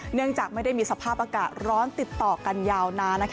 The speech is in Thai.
เนื่องจากไม่ได้มีสภาพอากาศร้อนติดต่อกันยาวนาน